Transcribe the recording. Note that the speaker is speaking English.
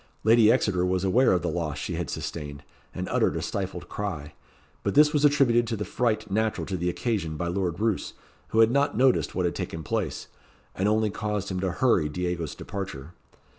Lady Exeter was aware of the loss she had sustained, and uttered a stifled cry; but this was attributed to the fright natural to the occasion by Lord Roos, who had not noticed what had taken place, and only caused him to hurry Diego's departure.